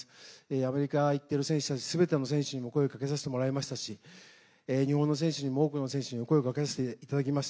アメリカに行っている選手たち、全ての選手たちに声をかけさせてもらいましたし日本の多くの選手にも声をかけさせてもらいました。